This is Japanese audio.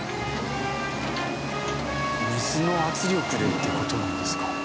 水の圧力でって事なんですか？